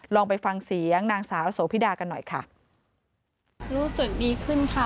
ลองไปฟังเสียงนางสาวโสพิดากันหน่อยค่ะรู้สึกดีขึ้นค่ะ